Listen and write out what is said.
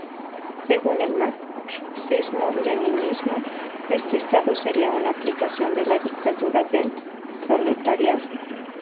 Según el marxismo-leninismo, este Estado sería una aplicación de la dictadura del proletariado.